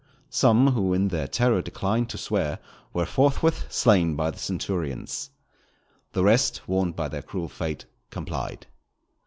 Some who in their terror declined to swear, were forthwith slain by the centurions. The rest, warned by their cruel fate, complied.